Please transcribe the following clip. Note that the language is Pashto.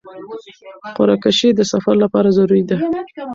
قرعه کشي د سفر لپاره ضروري ده.